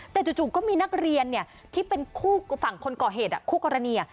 แต่จู่ก็มีนักเรียนที่เป็นคู่ฝั่งคนก่อเหตุคู่กรณี